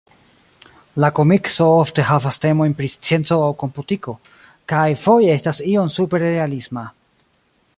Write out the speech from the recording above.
La komikso ofte havas temojn pri scienco aŭ komputiko, kaj foje estas iom superrealisma.